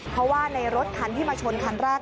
เพราะว่าในรถคันที่มาชนคันแรก